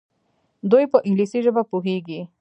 دوی په انګلیسي ژبه پوهیږي.